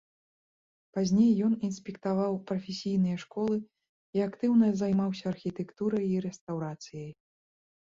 Пазней ён інспектаваў прафесійныя школы і актыўна займаўся архітэктурай і рэстаўрацыяй.